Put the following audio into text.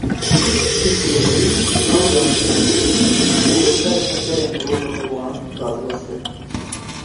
Psîkolojî, ew zanist e ku li ser tevgerên mirov û heywanan radiweste